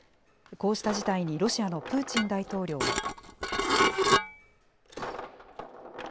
こうした事態にロシアのプーチン大統領は。